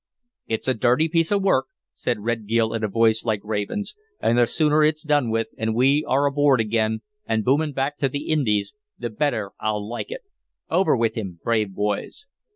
"It's a dirty piece of work," said Red Gil in a voice like a raven's, "and the sooner it's done with, and we are aboard again and booming back to the Indies, the better I'll like it. Over with him, brave boys!"